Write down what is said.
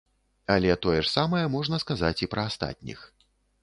Але тое ж самае можна сказаць і пра астатніх.